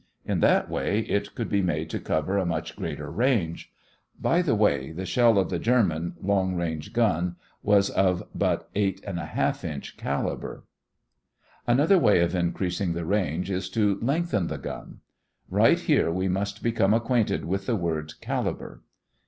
In that way it could be made to cover a much greater range. By the way, the shell of the German long range gun was of but 8.2 inch caliber. Another way of increasing the range is to lengthen the gun. Right here we must become acquainted with the word "caliber."